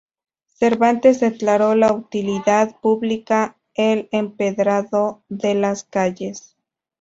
Cervantes declaró de utilidad pública el empedrado de las calles.